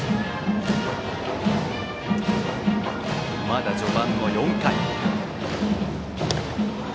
まだ序盤の４回。